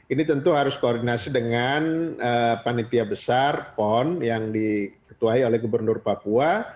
ini tentu harus koordinasi dengan panitia besar pon yang diketuai oleh gubernur papua